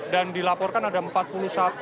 dan dilaporkan ada empat puluh satu